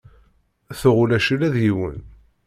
Tuɣ ulac ula d yiwen.